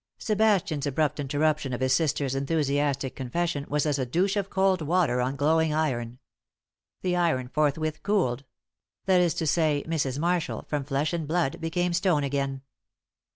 Sebastian's abrupt interruption of his sister's enthusiastic confession was as a douche of cold water on glowing iron. The iron forthwith cooled; that is to say, Mrs. Marshall, from flesh and blood, became stone again.